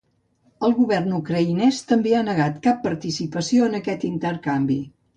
El govern ucraïnès també ha negat cap participació en aquest intercanvi.